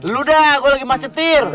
lu dah gue lagi mas cetir